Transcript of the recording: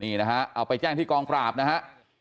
นี่นะฮะเอาไปแจ้งที่กองปราบนะฮะ